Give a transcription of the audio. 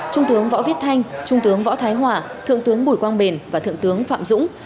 trung tướng võ viết thanh trung tướng võ thái hòa thượng tướng bùi quang bền và thượng tướng phạm dũng